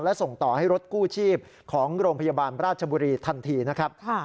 และส่งต่อให้รถกู้ชีพของโรงพยาบาลราชบุรีทันทีนะครับ